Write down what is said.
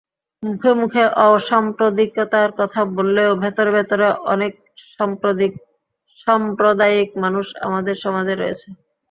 মুখে মুখে অসাম্প্রদায়িকতার কথা বললেও ভেতরে-ভেতরে অনেক সাম্প্রদায়িক মানুষ আমাদের সমাজে রয়েছে।